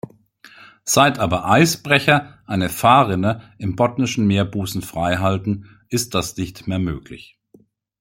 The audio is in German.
Seit aber Eisbrecher eine Fahrrinne im Bottnischen Meerbusen freihalten, ist das nicht mehr möglich.